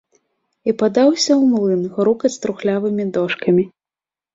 І падаўся ў млын грукаць трухлявымі дошкамі.